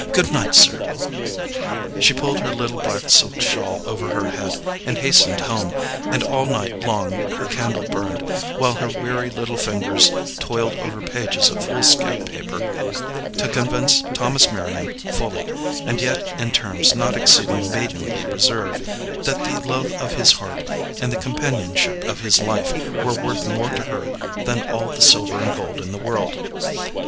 "Good night, sir." She pulled her little black silk shawl over her head and hastened home, and all night long her candle burned, while her weary little fingers toiled over pages of foolscap paper to convince Thomas Merriam fully, and yet in terms not exceeding maidenly reserve, that the love of his heart and the companionship of his life were worth more to her than all the silver and gold in the world.